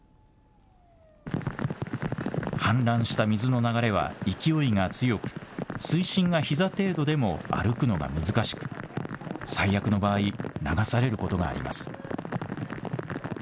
氾濫した水の流れは勢いが強く水深がひざ程度でも歩くのが難しく、最悪の場合、流されることがあります。